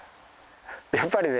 やっぱりね。